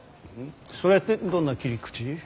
それってどんな切り口？